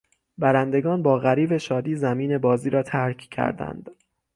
برندگان با غریو شادی زمین بازی را ترک کردند.